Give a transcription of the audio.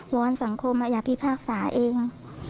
อนสังคมอย่าพิพากษาเอง